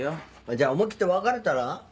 じゃあ思い切って別れたら？